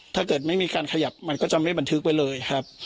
ถ้าเกิดไม่มีการขยับมันก็จะไม่บันทึกไว้เลยครับ